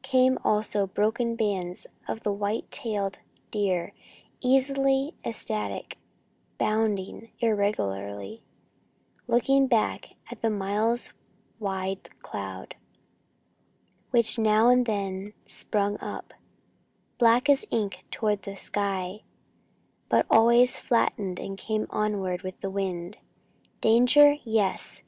Came also broken bands of white tailed deer, easy, elastic, bounding irregularly, looking back at the miles wide cloud, which now and then spun up, black as ink toward the sky, but always flattened and came onward with the wind. Danger? Yes!